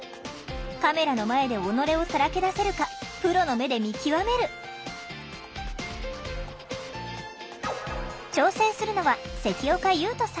カメラの前で己をさらけ出せるかプロの目で見極める挑戦するのは関岡勇人さん。